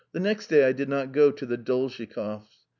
Next day I did not go to the Dolzhikovs'.